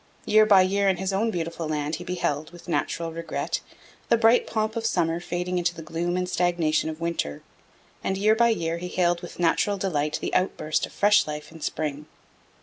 Year by year in his own beautiful land he beheld, with natural regret, the bright pomp of summer fading into the gloom and stagnation of winter, and year by year he hailed with natural delight the outburst of fresh life in spring.